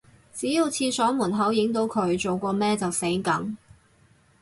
只要廁所門口影到佢做過咩就死梗